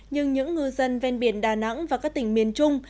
nhưng những ngư dân ven biển đà nẵng và các tỉnh miền trung